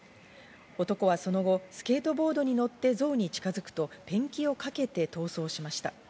男はその後、スケートボードに乗って像に近づくとペンキをかけて逃走しました。